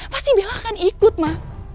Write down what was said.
pasti bella akan ikut mah